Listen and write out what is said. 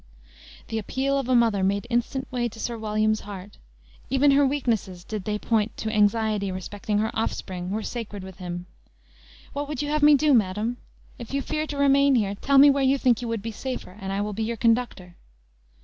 The appeal of a mother made instant way to Sir William's heart; even her weaknesses, did they point to anxiety respecting her offspring, were sacred with him. "What would you have me do, madam? If you fear to remain here, tell me where you think you would be safer, and I will be your conductor?"